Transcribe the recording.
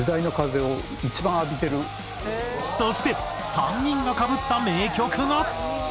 そして３人がかぶった名曲が。